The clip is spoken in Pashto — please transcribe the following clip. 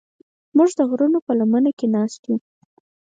موږ د غرونو په لمنه کې ناست یو.